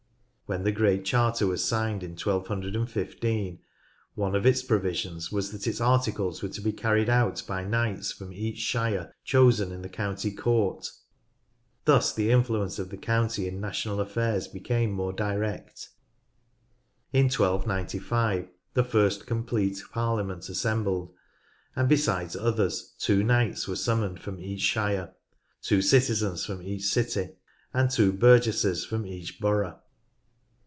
When the great Charter was signed in 1215 one of its provisions was that its articles were to be carried out by knights from each shire chosen in the County Court. Thus the influence of the county in national affairs became more direct. In 1295 the first complete Parliament assembled, and, besides others, two knights were summoned from each shire, two citizens from each city, and two burgesses from each borough.